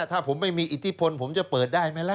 ถ้าผมไม่มีอิทธิพลผมจะเปิดได้ไหมล่ะ